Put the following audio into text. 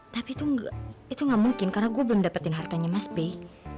tapi itu gak mungkin karena gue belum dapetin hartanya mas bay